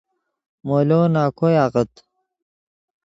مولو نَکوئے آغت